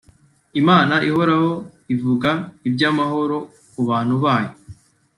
Imana ihora ivuga iby’amahoro ku bantu bayo